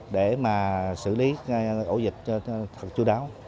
để mà xử lý ổ dịch thật chú đáo